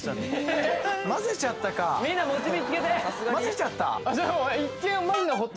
混ぜちゃった？